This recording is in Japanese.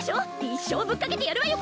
一生ぶっかけてやるわよ